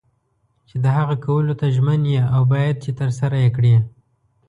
چې د هغه کولو ته ژمن یې او باید چې ترسره یې کړې.